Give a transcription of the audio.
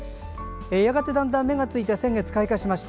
やがて、だんだん芽がついて先月開花しました。